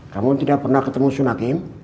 kamu tidak pernah ketemu sunakim